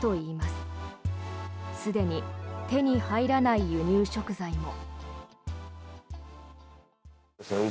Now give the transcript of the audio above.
すでに手に入らない輸入食材も。